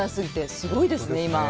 すごいですね、今。